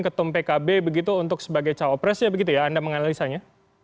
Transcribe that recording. ketum pkb begitu untuk sebagai cawapresnya begitu ya anda menganalisanya